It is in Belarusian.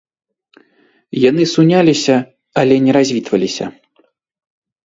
Яны суняліся, але не развітваліся.